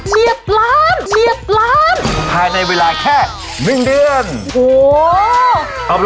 ภายในเวลาแค่๑เดือน